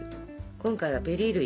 今回はベリー類。